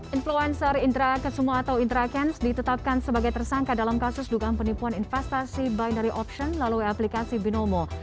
influencer intrakesumo atau intraken ditetapkan sebagai tersangka dalam kasus dugaan penipuan investasi binary option lalui aplikasi binomo